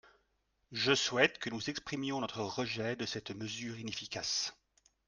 Je souhaite que nous exprimions notre rejet de cette mesure inefficace